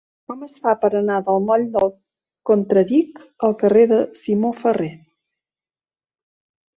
Com es fa per anar del moll del Contradic al carrer de Simó Ferrer?